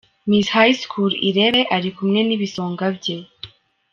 Miss High school Irebe arikumwe n'ibisonga bye.